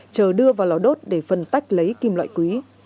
chờ đưa vào lò đốt để phân tách lấy kim loại quý